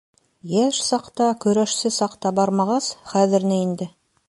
Йәш саҡта, көрәшсе саҡта бармағас, хәҙер ни инде...